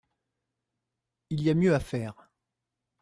Il y a mieux à faire.